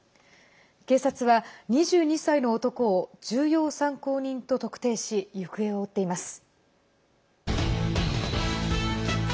警察は２２歳の男を重要参考人と特定し行方を追っています。